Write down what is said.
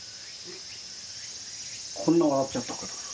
こんな笑っちゃったから。